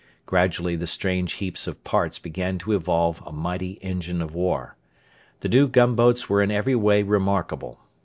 Gradually the strange heaps of parts began to evolve a mighty engine of war. The new gunboats were in every way remarkable.